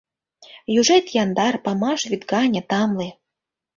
Южет яндар, памаш вӱд гане тамле…